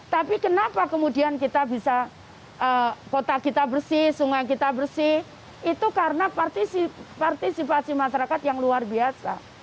tapi kenapa kemudian kita bisa kota kita bersih sungai kita bersih itu karena partisipasi masyarakat yang luar biasa